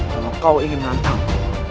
kalau kau ingin menantangku